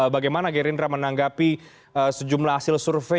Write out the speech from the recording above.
bagaimana gerindra menanggapi sejumlah hasil survei